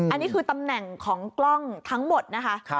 อันนี้คือตำแหน่งของกล้องทั้งหมดนะคะ